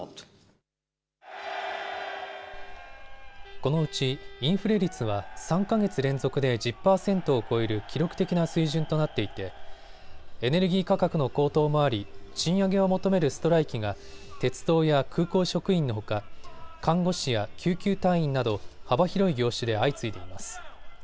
このうちインフレ率は３か月連続で１０％を超える記録的な水準となっていてエネルギー価格の高騰もあり賃上げを求めるストライキが鉄道や空港職員のほか看護師や救急隊員など幅広い業種で相次いでいます。